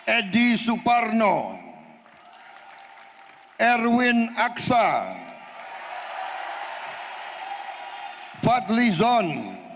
edi suparno erwin aksa fatli zon